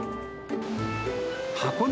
箱根